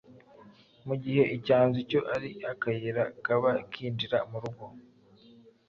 Mu gihe icyanzu cyo ari akayira kaba kinjira mu rugo